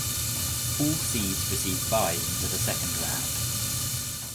All seeds received byes into the second round.